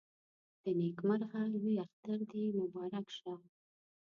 د نيکمرغه لوی اختر دې مبارک شه